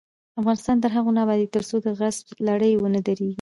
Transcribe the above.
افغانستان تر هغو نه ابادیږي، ترڅو د غصب لړۍ ونه دریږي.